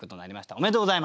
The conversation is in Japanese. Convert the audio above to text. おめでとうございます！